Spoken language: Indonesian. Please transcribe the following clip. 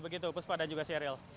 begitu puspa ada juga si ariel